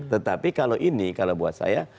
tetapi kalau ini kalau buat saya